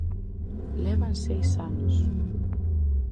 ¡Levan seis anos!